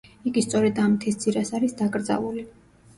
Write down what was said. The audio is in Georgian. იგი სწორედ ამ მთის ძირას არის დაკრძალული.